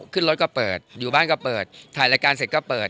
ขึ้นรถก็เปิดอยู่บ้านก็เปิดถ่ายรายการเสร็จก็เปิด